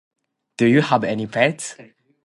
Do you have any pets?